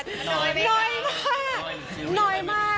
น้อยมากน้อยมาก